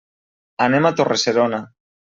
Anem a Torre-serona.